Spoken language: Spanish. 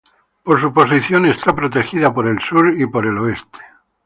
Por su posición está protegida por el sur y por el oeste.